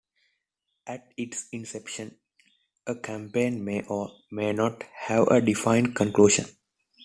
At its inception, a campaign may or may not have a defined conclusion.